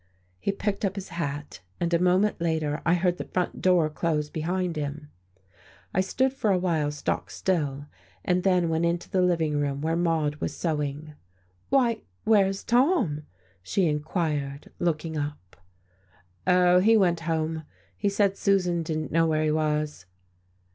He picked up his hat and a moment later I heard the front door close behind him. I stood for a while stock still, and then went into the living room, where Maude was sewing. "Why, where's Tom?" she inquired, looking up. "Oh, he went home. He said Susan didn't know where he was."